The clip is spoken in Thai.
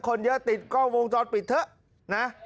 คนเยอะติดกล้องวงจรปิดเถอะนะ